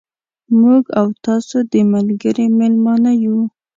موږ او تاسو د ملګري مېلمانه یو.